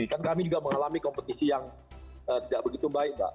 kan kami juga mengalami kompetisi yang tidak begitu baik mbak